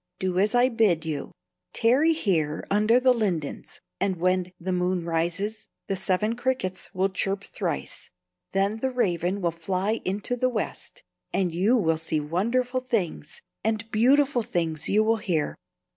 Do as I bid you; tarry here under the lindens, and when the moon rises, the Seven Crickets will chirp thrice; then the Raven will fly into the west, and you will see wonderful things, and beautiful things you will hear."